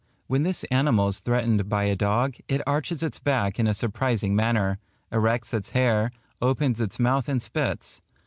When this animal is threatened by a dog, it arches its back in a surprising manner, erects its hair, opens its mouth and spits.